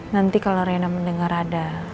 nanti kalau rena mendengar ada